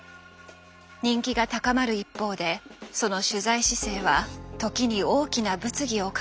人気が高まる一方でその取材姿勢は時に大きな物議を醸しました。